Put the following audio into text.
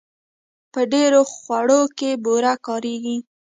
په ډېرو خوړو کې بوره کارېږي.